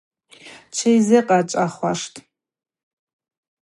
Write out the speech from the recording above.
Тшизыкъачӏвахуаштӏ.